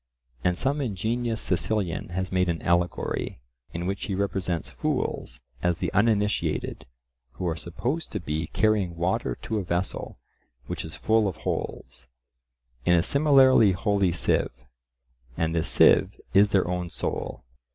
And some ingenious Sicilian has made an allegory, in which he represents fools as the uninitiated, who are supposed to be carrying water to a vessel, which is full of holes, in a similarly holey sieve, and this sieve is their own soul.